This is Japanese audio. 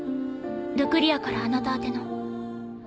ルクリアからあなた宛ての。